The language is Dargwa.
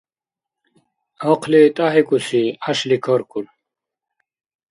Ахъли тӀяхӀикӀуси, гӀяшли каркур.